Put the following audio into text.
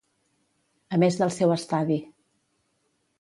A més del seu Estadi.